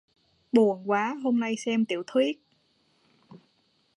Buồn quá hôm nay xem tiểu thuyết